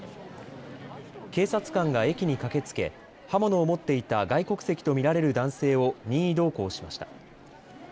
警察官が駅に駆けつけ刃物を持っていた外国籍と見られる男性を任意同行しました。